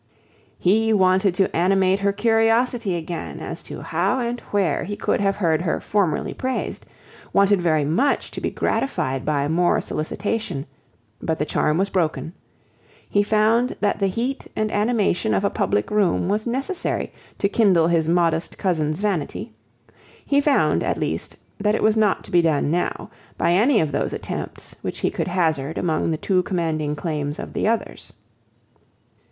He wanted to animate her curiosity again as to how and where he could have heard her formerly praised; wanted very much to be gratified by more solicitation; but the charm was broken: he found that the heat and animation of a public room was necessary to kindle his modest cousin's vanity; he found, at least, that it was not to be done now, by any of those attempts which he could hazard among the too commanding claims of the others.